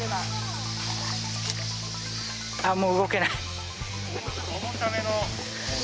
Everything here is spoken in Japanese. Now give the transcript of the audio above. もう動けない。